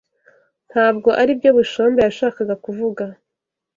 Ntabwo aribyo Bushombe yashakaga kuvuga.